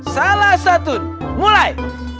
salah satun mulai